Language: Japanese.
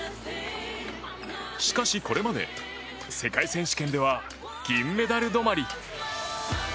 しかし、これまで世界選手権では銀メダル止まり。